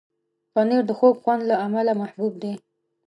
پنېر د خوږ خوند له امله محبوب دی.